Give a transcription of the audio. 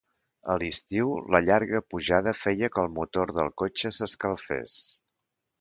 A l'estiu, la llarga pujada feia que el motor del cotxe s'escalfés.